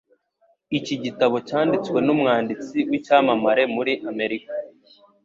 Iki gitabo cyanditswe n'umwanditsi w'icyamamare muri Amerika.